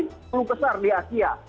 belum besar di asia